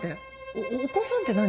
おお子さんって何？